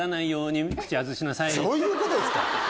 どういうことですか